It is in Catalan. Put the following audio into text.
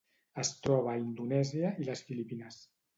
Es troba a Indonèsia i les Filipines.